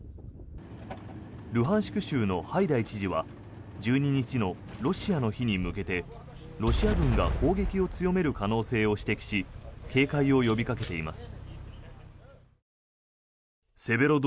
ルハンシク州のハイダイ知事は１２日のロシアの日に向けてロシア軍が攻撃を強める可能性を指摘し警戒を呼びかけています。